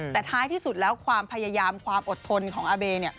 แต่ท้ายที่สุดแล้วความพยายามความอดทนของอาเบ